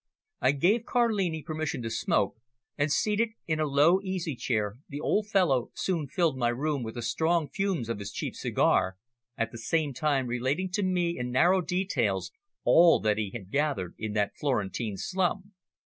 I gave Carlini permission to smoke, and, seated in a low easy chair, the old fellow soon filled my room with the strong fumes of his cheap cigar, at the same time relating to me in narrow details all that he had gathered in that Florentine slum.